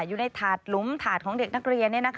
อยู่ในถาดหลุมถาดของเด็กนักเรียน